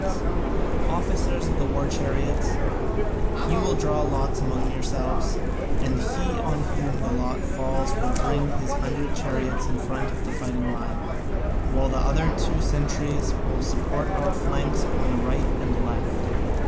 Officers of the war chariots, you will draw lots among yourselves, and he on whom the lot falls will bring his hundred chariots in front of the fighting line, while the other two centuries will support our flanks on the right and left."